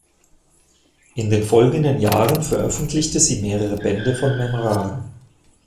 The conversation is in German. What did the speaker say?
In den folgenden Jahren veröffentlichte sie mehrere Bände von Memoiren.